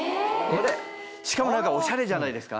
しかもオシャレじゃないですか？